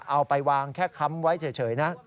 เอาไปวางแค่ค้ำไว้เฉยนะ